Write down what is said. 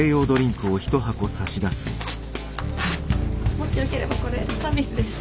もしよければこれサービスです。